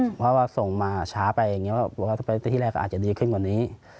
เพราะว่าส่งมาช้าไปอย่างนี้บอกว่าถ้าไปที่แรกก็อาจจะดีขึ้นกว่านี้